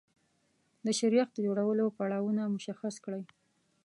د شیریخ د جوړولو پړاوونه مشخص کړئ.